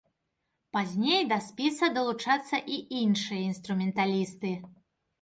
Пазней да спіса далучацца і іншыя інструменталісты.